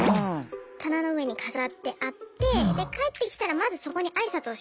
棚の上に飾ってあってで帰ってきたらまずそこにあいさつをしなくてはいけない。